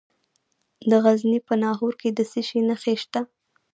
د غزني په ناهور کې د څه شي نښې شته؟